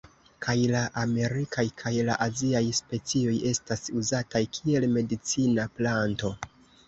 Kaj la amerikaj kaj la aziaj specioj estas uzataj kiel medicina planto.